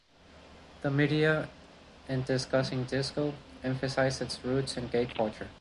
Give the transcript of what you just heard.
The media, in discussing disco, emphasized its roots in gay culture.